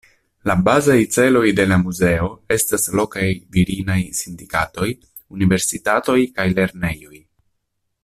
La bazaj celoj de la muzeo estas lokaj virinaj sindikatoj, universitatoj kaj lernejoj.